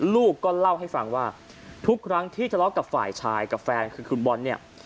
ลูกก็เล่าให้ฟังว่าทุกครั้งที่ทะเลาะกับฝ่ายชายกับแฟนคือคุณบอลเนี่ย